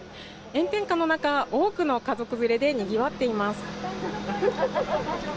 炎天下の中、多くの家族連れでにぎわっています。